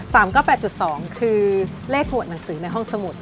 ตามก็๘๒คือเลขหมวดหนังสือในห้องสมุด